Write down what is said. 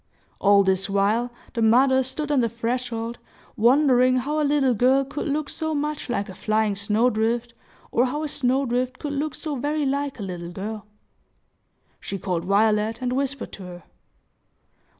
All this while, the mother stood on the threshold, wondering how a little girl could look so much like a flying snow drift, or how a snow drift could look so very like a little girl. She called Violet, and whispered to her.